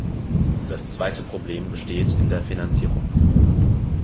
Das zweite Problem besteht in der Finanzierung.